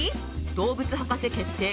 動物博士決定！